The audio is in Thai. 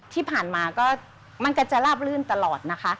ที่ผ่านมาก็มันก็จะลาบลื่นตลอดนะคะ